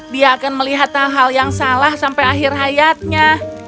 dia akan melihat hal hal yang salah sampai akhir hayatnya